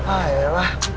ah ya lah